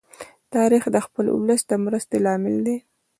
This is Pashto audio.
تاریخ د خپل ولس د مرستی لامل دی.